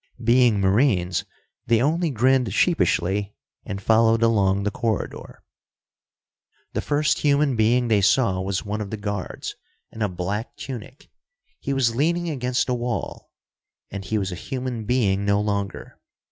Being Marines, they only grinned sheepishly, and followed along the corridor. The first human being they saw was one of the guards, in a black tunic. He was leaning against a wall, and he was a human being no longer.